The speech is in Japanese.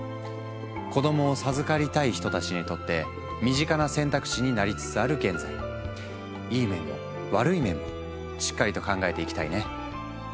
子どもを授かりたい人たちにとって身近な選択肢になりつつある現在いい面も悪い面もしっかりと考えていきたいね。